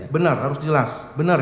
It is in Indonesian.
benar harus jelas